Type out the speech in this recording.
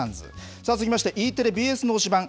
さあ続きましてＥテレ、ＢＳの推しバン！